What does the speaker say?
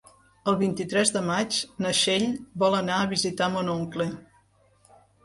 El vint-i-tres de maig na Txell vol anar a visitar mon oncle.